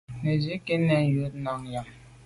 Nə nzìkuʼ nɛ̂n jə yò cwɛ̌d nja αm.